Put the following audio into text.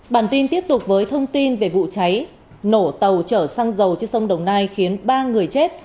bản tin tiếp tục với thông tin về vụ cháy nổ tàu chở xăng dầu trên sông đồng nai khiến ba người chết